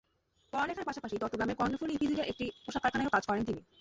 পড়ালেখার পাশাপাশি চট্টগ্রামের কর্ণফুলী ইপিজেডের একটি পোশাক কারাখানায়ও কাজ করেন তিনি।